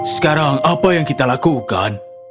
sekarang apa yang kita lakukan